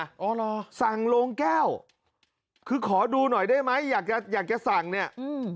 อ๋อเหรอสั่งโรงแก้วคือขอดูหน่อยได้ไหมอยากจะอยากจะอยากจะสั่งเนี่ยอืม